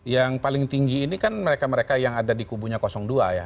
yang paling tinggi ini kan mereka mereka yang ada di kubunya dua ya